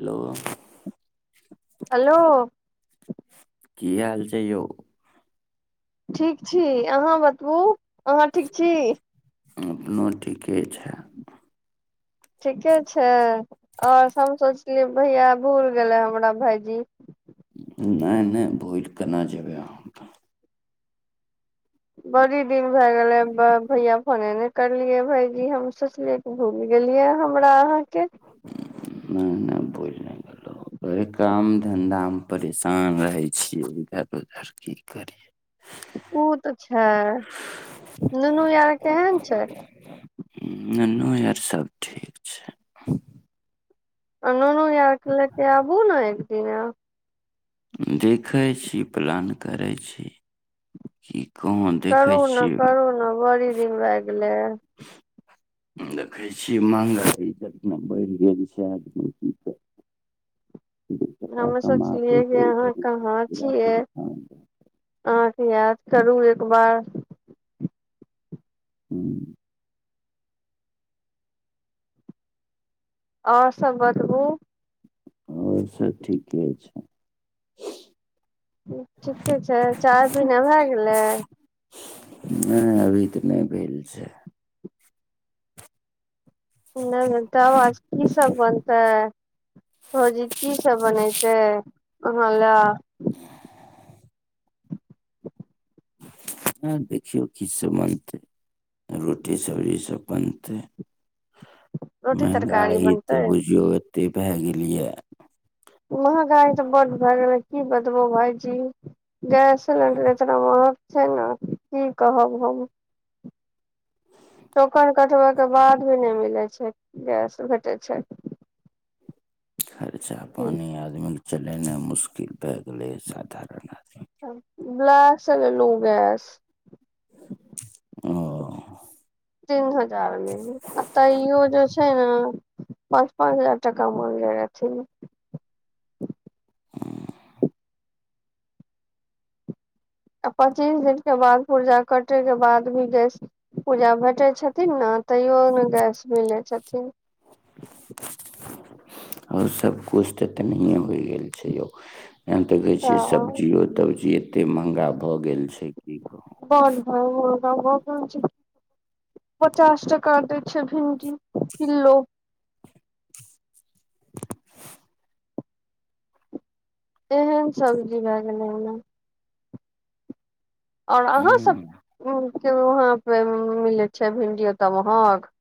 Hello hello की हाल छैक यौ ठीक छी अहाँ बतबू अहाँ ठीक छी अपनो ठीके छैक ठीके छै ओर हम सोचलियै भैया भूल गेलय हमरा भाइजी नहि नहि भुइल केना जेबय हम त बड़ी दिन भए गेलै भैया फोने नहि करलियै भायजी हम सोचलियै कि भूलि गेलियै हमरा आहाँ के नहि नहि भूइल नहि गेलहुँ वहि काम धन्धामे परेशान रहय छियैक इधर उधर की करियै ओ तऽ अच्छा नुनू आर केहन छैक ननू आर सब ठीक छैक नुनु आरकेँ लेते आबू न जेना [unintelligible] देखैत छी प्लान करैत छी की कहाँ देखै करू ने छियै करू ने बड़ी दिन भय गेलै देखै छियैक मंगल ई जखना बढ़ि गेल छै आदमी दू टका हमु कमाबै सोचलियै कि छै अहाँ इधर उधर कहाँ पूरा छियैक परेशान रहै छै अहाँके याद करू एकबार ह्म्म [unintelligible] ओर सभ बतबू आओर सब ठीके छै ठीके छैक चाय पीना भय गेलय नहि अभी तऽ नहि भेल छैक नहि तब आज की सब बनतय भौजी की सब बनेतै अहाँ ला ह [unintelligible] [inaudible] ह देखियौ कि सब बनतय रोटी सब्जी सब बनतय रोटी तरकारी मँहगाई बनतै तऽ बुझियौ एतेक भए गेलियै महँगाइ तऽ बड्ड भए गेलै की बतबहु भायजी गैस सिलेण्डर इतना महग छै ने की कहब हम टोकन कटबयके बाद भी नहि मिलै छै गैस भेटैय छै अच्छा पानि आदमीके चलेनाइ मुश्किल भए गेले ह साधारण आदमी ब्ला स लेलू गैस ओ तीन हजार मे आ तइयो जे छै ने पाँच पाँच हजार टका मांगइ रहथिन आ पच्चीस दिनके बाद पूर्जा कटयके बाद भी गैस पुर्जा भेटै छथिन न तैयो ने गैस मिलै छथिन ओर सभकिछु तऽ तनहिए होइ गेल छै यौ एहन तऽ कहै छियै तऽ सब्जियो तब्जी एते महगा भऽ गेल गेल छै की बड कहुं पचास टाका दै छै भिंडी किललो एहन सबजी भए गेलै ओमे आओर अहाँसभ हूँ ह वहाँ पे मिलै छै भिंडियो तऽ महग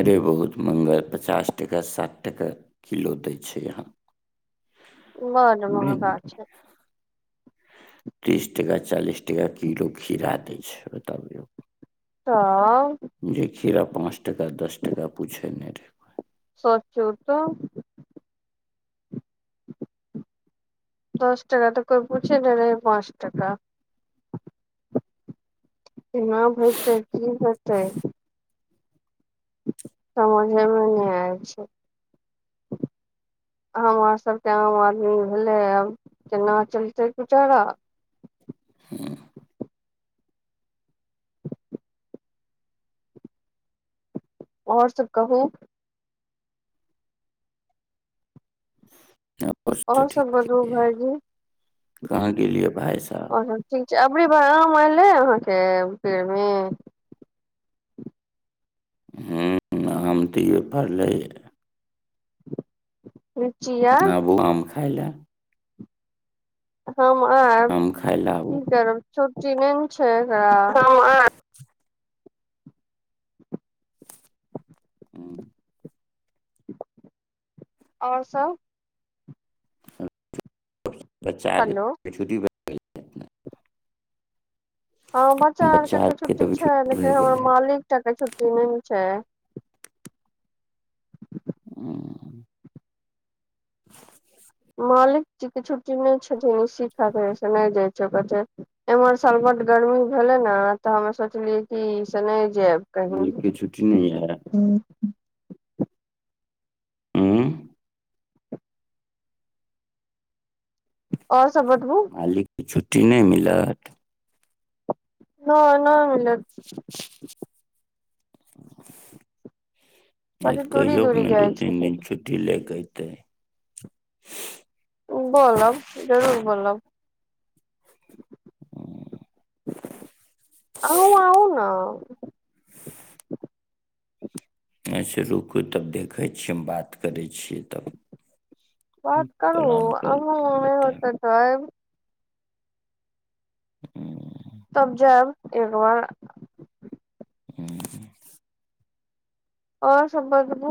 अरे बहुत महग पचास टाका साठ टाका किलो दै छै अहाँ बड़ महंगा छै तीस टका चालीस टाका किलो खीरा दै छै तब तब खीरा पाँच टका दस टका पूछै नहि रहै को सच्चौ तऽ दस टाका तऽ कोइ पूछे नहि रहै पाँच टाका केना होेतै की होेतै समझेमे नहि आय छै हमर सभके आम आदमी भेलै आब केना चलतैचारा हूँ और सभ कहू औरा और सब ठीक बतबू भाईजी कहाँ गेलियै भाय साहब कै एबरी बार आम एले अहाँके पेड़ मे ह हम तऽए पड़लैए ह आ बो खाइल हम आयब आम खाय लए आबू की करब छुटी न छै एकरा हूँ, त [inaudible] और सभ बच्चा हेलो आरके छुट्टी त नहि [inaudible] हँ बच्चा आर केँ तऽ आरके छुट्टी अभी छैक भए लेकिन हमर गेल है मालिक टा केँ छुट्टी नहि छैक ह [inaudible] मालिक जी केँ छुट्टी नहि छथिन ईी खातिर से नहि जाय छैक एम्हर साल गर्मी भेले ने तऽ हमे सोचलियै कि से नहि जेब कहहि मालिकके छुट्टी नहि यऽ ह आँ [inaudible] और सब बतबू मालिकके छुट्टी नहि मिलत नहि नहि मिलत [inaudible] [inaudible] बड़ी त दूरी कहियो केँ दूरी नहि दू जाइ तीन छथिन दिन छुट्टी ल केँ तऽ [inaudible] बोलब जरूर बोलब ह [inaudible] अहूँ आउ न अच्छा रुकू तब देखय छियैक हम बात करय छियैक तब बात करू प्लान आ कर बतायब होत तो आऊ हूंअ् [inaudible] तब जायब एकबार आओर सब बतबू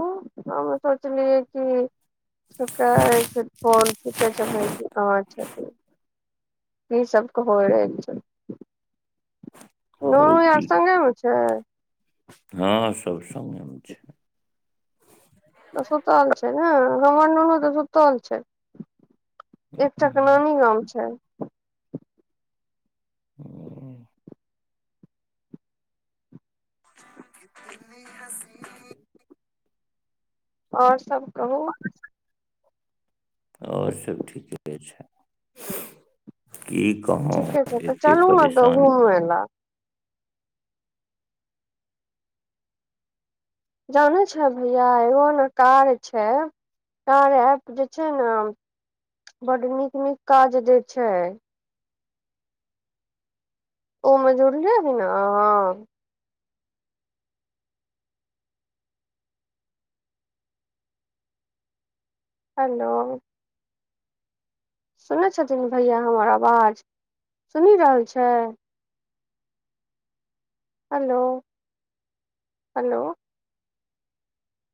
हम सोचलिय कि सुक छै फोन [unintelligible] च्छा य सबक हो रहे [unintelligible] नूनू हौ की यारसङ्गेम छै [unintelligible] हँ सब संगे [inaudible] तऽ सुतल छैक नहि हमर नुनू तऽ सुतल छैक एकटा केँ नानी गाममे छैक ह [inaudible] इतनी कसीन [inaudible] और सब कहू ओर सब ठीके छैक ठीके छै तऽ चलू ने तऽ घुमेला जानै छलहि आई एगो ने कार्य एप छैक कार्य एप जे छैक न बड नीक नीक काज दैत छैक ओमे जुरिलिए अहाँ हेलो सुनै छथिन भैया हमर आवाज सुनि रहल छै। Hello hello.